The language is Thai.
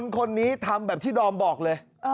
คนนี้ทำแบบที่ดอมบอกเลย